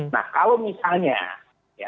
nah kalau misalnya